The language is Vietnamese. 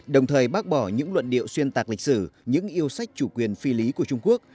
đồng thời bác bỏ những luận điệu xuyên tạc lịch sử những yêu sách chủ quyền phi lý của trung quốc